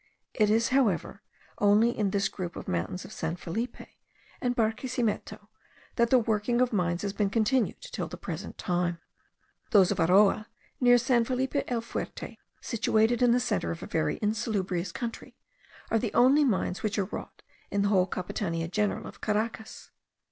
It is, however, only in this group of mountains of San Felipe and Barquisimeto, that the working of mines has been continued till the present time. Those of Aroa, near San Felipe el Fuerte, situated in the centre of a very insalubrious country, are the only mines which are wrought in the whole capitania general of Caracas.